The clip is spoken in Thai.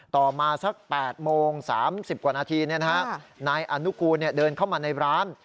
ต่อมาสัก๘โมง๓๐กว่านาทีนายอนุกูลเดินเข้ามาในร้าน